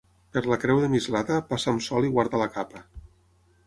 Per la creu de Mislata, passa amb sol i guarda la capa.